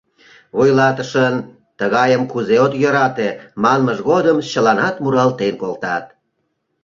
Вуйлатышын «Тыгайым кузе от йӧрате» манмыж годым чыланат муралтен колтат: